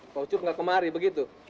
pak ucup nggak kemari begitu